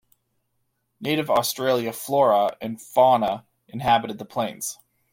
Native Australia flora and fauna inhabited the plains.